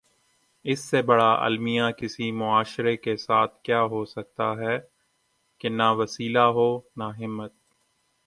اس سے بڑا المیہ کسی معاشرے کے ساتھ کیا ہو سکتاہے کہ نہ وسیلہ ہو نہ ہمت۔